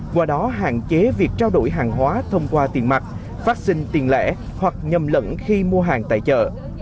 qua đó hạn chế việc trao đổi hàng hóa thông qua tiền mặt phát sinh tiền lẻ hoặc nhầm lẫn khi mua hàng tại chợ